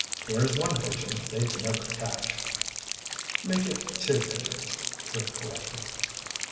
Here's one pigeon they'd never catch." "Make it two pigeons," Rick corrected.